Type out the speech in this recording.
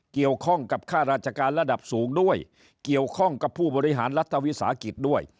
เกี่ยวข้องกับค่าราชการระดับสูงด้วยเกี่ยวข้องกับผู้บริหารรัฐวิสาหกิจด้วย